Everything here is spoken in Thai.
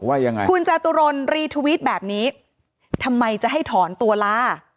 ว่ายังไงคุณจตุรนรีทวิตแบบนี้ทำไมจะให้ถอนตัวล่ะ